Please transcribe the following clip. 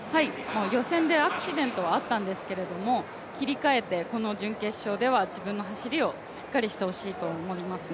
予選でアクシデントはあったんですけれども切り替えて、この準決勝では自分の走りをしっかりしてほしいと思いますね。